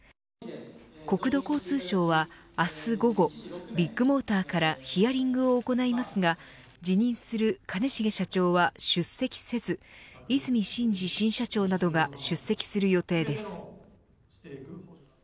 国土交通省は明日午後ビッグモーターからヒアリングを行いますが辞任する兼重社長は出席せず和泉伸二新社長などが出席する予定です。